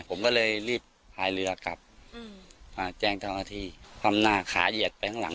ผมก็เลยรีบพายเรือกลับอืมมาแจ้งเท่าที่ความหน้าขาเหยียดไปข้างหลัง